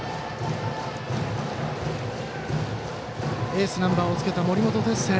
エースナンバーをつけた森本哲星。